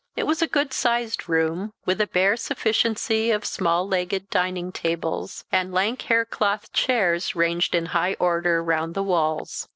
It was a good sized room, with a bare sufficiency of small legged dining tables, and lank haircloth chairs, ranged in high order round the walls.